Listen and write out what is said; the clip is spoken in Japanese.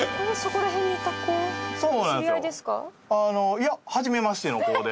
いやはじめましての子で。